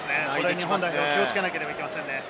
日本代表、気をつけなければいけませんね。